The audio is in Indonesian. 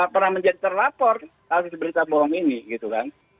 pernah menjadi terlapor kasus berita bohong ini gitu kan